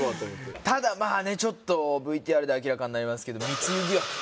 ただまあねちょっとＶＴＲで明らかになりますけど。